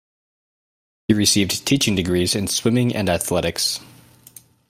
He received teaching degrees in swimming and athletics.